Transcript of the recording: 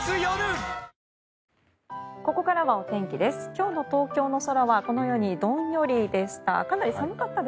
今日の東京の空はこのようにどんよりでした。